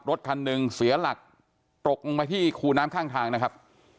รถคันหนึ่งเสียหลักตกลงมาที่คูน้ำข้างทางนะครับ